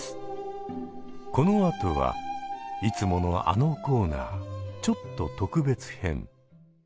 このあとはいつものあのコーナーちょっと特別編。